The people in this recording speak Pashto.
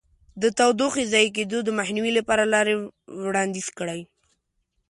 د تودوخې ضایع کېدو د مخنیوي لپاره لارې وړاندیز کړئ.